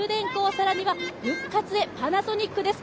更には復活へパナソニックです。